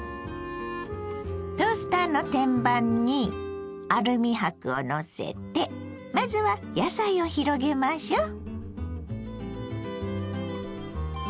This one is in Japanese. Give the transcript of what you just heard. トースターの天板にアルミ箔をのせてまずは野菜を広げましょう。